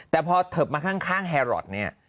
แต่พอเทิบมาข้างแฮรอทเนี่ย